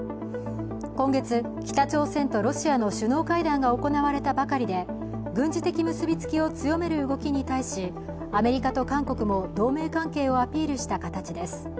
今月北朝鮮とロシアの首脳会談が行われたばかりで軍事的結びつきを強める動きに対しアメリカと韓国も同盟関係をアピールした形です。